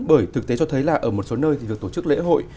bởi thực tế cho thấy là ở một số nơi thì việc tổ chức lễ hội